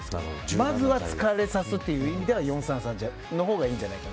まずは疲れさすという意味では４‐３‐３の方がいいんじゃないかな。